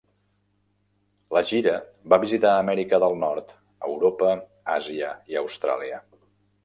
La gira va visitar Amèrica del Nord, Europa, Àsia i Austràlia.